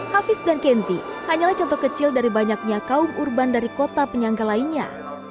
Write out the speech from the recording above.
hafiz dan kenzi hanyalah contoh kecil dari banyaknya kaum urban dari kota penyangga lainnya